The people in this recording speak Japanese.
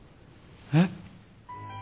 えっ？